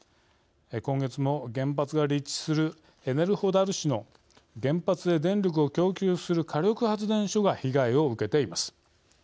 今月も原発が立地するエネルホダル市の原発へ電力を供給する火力発電所が被害を受けています。